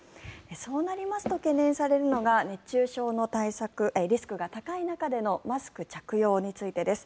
そうなりますと懸念されるのが熱中症のリスクが高い中でのマスク着用についてです。